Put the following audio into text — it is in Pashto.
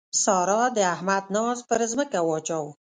سارا د احمد ناز پر ځمکه واچاوو.